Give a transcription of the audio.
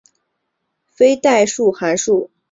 非代数函数则称为超越函数。